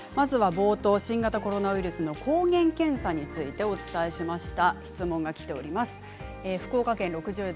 冒頭、新型コロナウイルスの抗原検査についてお伝えしました。